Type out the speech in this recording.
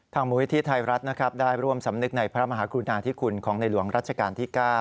มูลนิธิไทยรัฐนะครับได้ร่วมสำนึกในพระมหากรุณาธิคุณของในหลวงรัชกาลที่๙